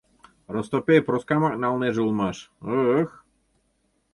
Ростопей Проскамак налнеже улмаш, ы-ых!..